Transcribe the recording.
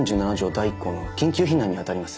第１項の緊急避難にあたります。